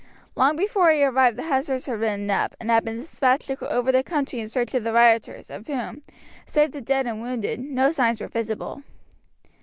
Long before he arrived the hussars had ridden up, and had been dispatched over the country in search of the rioters, of whom, save the dead and wounded, no signs were visible.